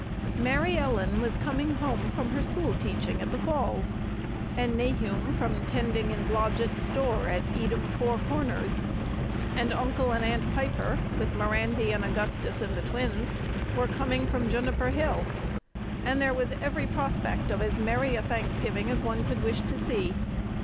Mary Ellen was coming home from her school teaching at the Falls, and Nahum from 'tending in Blodgett's store at Edom Four Corners, and Uncle and Aunt Piper with Mirandy and Augustus and the twins were coming from Juniper Hill, and there was every prospect of as merry a Thanksgiving as one could wish to see.